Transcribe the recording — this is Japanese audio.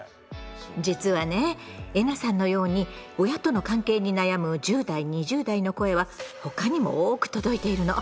実はねえなさんのように親との関係に悩む１０代２０代の声は他にも多く届いているの。